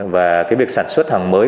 và việc sản xuất hàng mới